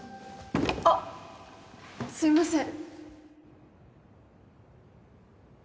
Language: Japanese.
あっすいません